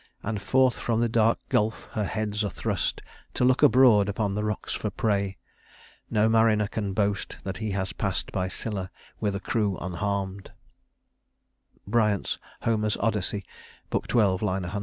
And forth from the dark gulf her heads are thrust, To look abroad upon the rocks for prey, .... No mariner can boast That he has passed by Scylla with a crew Unharmed." BRYANT'S Homer's Odyssey, Book XII, line 100.